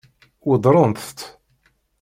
Weddṛent-t?